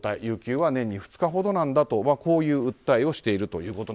有休は年に２日ほどなんだとこういう訴えをしていると。